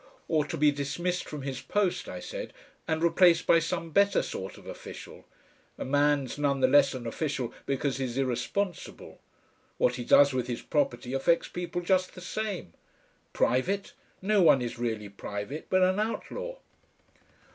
"Or be dismissed from his post," I said, "and replaced by some better sort of official. A man's none the less an official because he's irresponsible. What he does with his property affects people just the same. Private! No one is really private but an outlaw...."